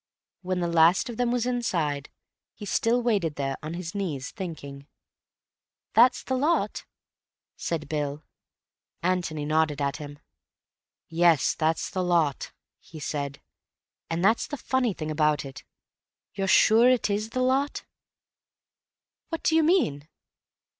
When the last of them was inside, he still waited there on his knees, thinking. "That's the lot," said Bill. Antony nodded at him. "Yes, that's the lot," he said; "and that's the funny thing about it. You're sure it is the lot?" "What do you mean?"